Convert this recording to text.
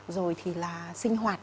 rồi thì là sinh hoạt